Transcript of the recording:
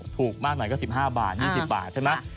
ถูกมากหน่อยก็๑๕บาท๒๐บาทใช่ไหม